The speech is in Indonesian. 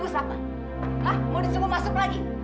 kamu ingin disuruh masuk lagi